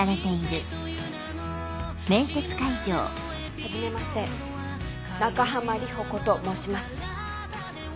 はじめまして中浜里穂子と申します。